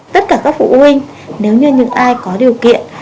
tất cả các phụ huynh nếu như những ai có điều kiện